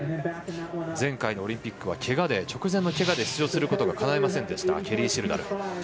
前回のオリンピックは直前のけがで出場することがかなわなかったケリー・シルダル